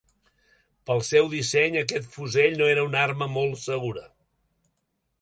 Pel seu disseny, aquest fusell no era una arma molt segura.